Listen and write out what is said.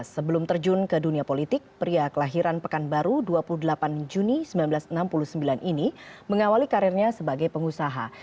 sebelum terjun ke dunia politik pria kelahiran pekanbaru dua puluh delapan juni seribu sembilan ratus enam puluh sembilan ini mengawali karirnya sebagai pengusaha